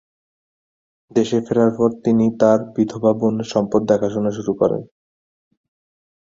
দেশে ফেরার পর তিনি তার বিধবা বোনের সম্পদ দেখাশোনা শুরু করেন।